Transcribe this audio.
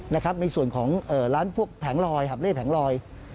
ในส่วนของร้านพวกแผงลอยหับเล่แผงลอย